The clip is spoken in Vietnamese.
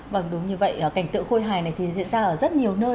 vâng đúng như vậy cảnh tượng khôi hài này thì diễn ra ở rất nhiều nơi